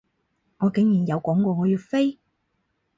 我竟然有講過我要飛？